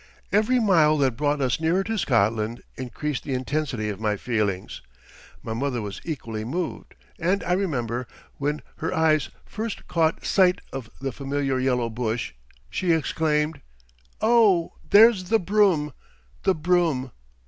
Every mile that brought us nearer to Scotland increased the intensity of my feelings. My mother was equally moved, and I remember, when her eyes first caught sight of the familiar yellow bush, she exclaimed: "Oh! there's the broom, the broom!"